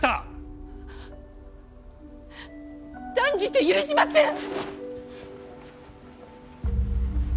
断じて許しません！